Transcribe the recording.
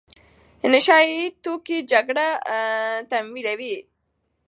نشه يي توکي جګړه تمویلوي.